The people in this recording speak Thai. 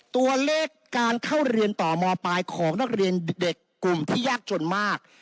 ตัวเลขการเข้าเรียนต่อมปลายของนักเรียนเด็กกลุ่มที่ยากจนมาก